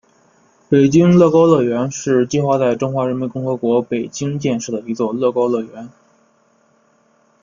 北京乐高乐园是计划在中华人民共和国北京建设的一座乐高乐园。